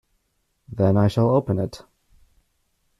Then I shall open it.